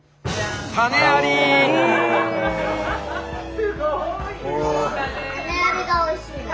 ・すごい。